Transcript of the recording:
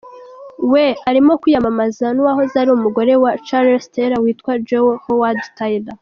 Weah arimo kwiyamamazanya n’uwahoze ari umugore wa Charles Taylor, witwa Jewel Howard Taylor.